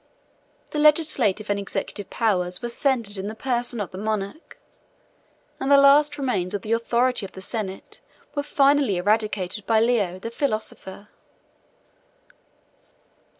The legislative and executive powers were centred in the person of the monarch, and the last remains of the authority of the senate were finally eradicated by Leo the philosopher.